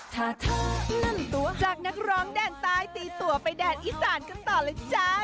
ถ้าเธอนั้นตัวจากนักร้องแดนซ้ายตีตัวไปแดนอิสานก็ต่อเลยจ้า